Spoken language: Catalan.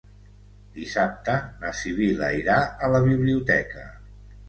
Dissabte na Sibil·la irà a la biblioteca.